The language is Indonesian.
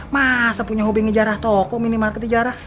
masa punya hobi ngejarah toko minimarket dijarah